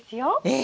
え！